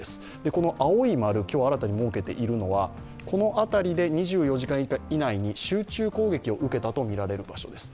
この青い丸、今日新たに設けているのは、この辺りで２４時間以内に、集中攻撃を受けたとみられる場所です。